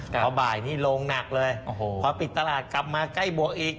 พอบ่ายนี้โรงหนักเลยพอปิดตลาดกลับมาใกล้บวกอีก